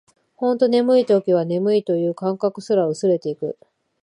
ほんと眠い時は、眠いという感覚すら薄れていく